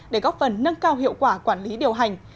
để góp phần nâng cao hiệu quả quản lý điều hành